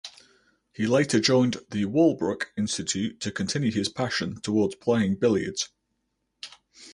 He later joined the Walbrook Institute to continue his passion towards playing billiards.